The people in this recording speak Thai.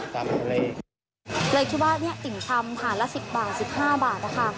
เลยคิดว่าเนี่ยติ่งทำผ่านละ๑๐บาท๑๕บาทนะคะ